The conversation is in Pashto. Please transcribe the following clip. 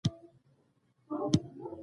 د عرفان اوپو هي